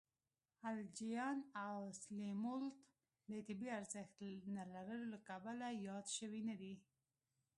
الجیان او سلیمولد د طبی ارزښت نه لرلو له کبله یاد شوي نه دي.